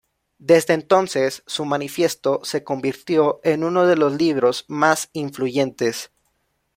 Desde entonces, su manifiesto se convirtió en uno de los libros más influyentes.